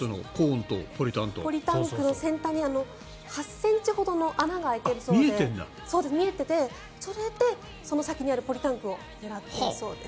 ポリタンクの先端に８ｃｍほどの穴が開いているそうで見えてて、それでその先にあるポリタンクを狙っているそうです。